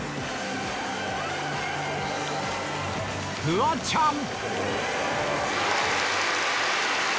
フワちゃん！